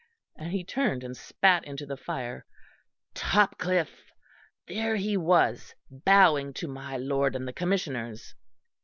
and he turned and spat into the fire "Topcliffe. There he was, bowing to my Lord and the Commissioners.